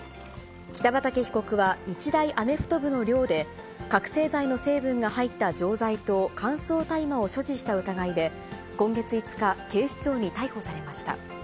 北畠被告は日大アメフト部の寮で、覚醒剤の成分が入った錠剤と乾燥大麻を所持した疑いで、今月５日、警視庁に逮捕されました。